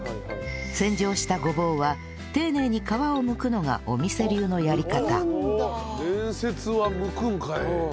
洗浄したごぼうは丁寧に皮を剥くのがお店流のやり方